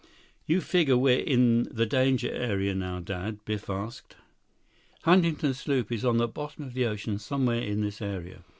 "You figure we're in the danger area now, Dad?" Biff asked. "Huntington's sloop is on the bottom of the ocean somewhere in this area."